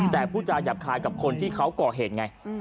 แต่ผู้จาหยาบคายกับคนที่เขาก่อเหตุไง